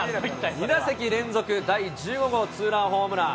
２打席連続第１５号ツーランホームラン。